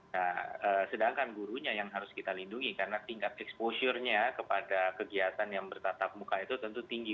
nah sedangkan gurunya yang harus kita lindungi karena tingkat exposure nya kepada kegiatan yang bertatap muka itu tentu tinggi